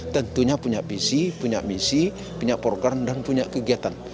tentunya punya visi punya misi punya program dan punya kegiatan